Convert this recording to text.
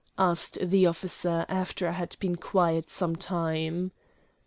asked the officer after I had been quiet some time.